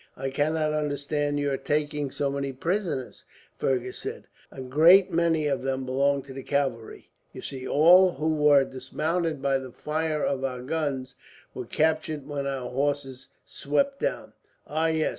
"I cannot understand your taking so many prisoners," Fergus said. "A great many of them belong to the cavalry. You see, all who were dismounted by the fire of our guns were captured when our horse swept down." "Ah, yes!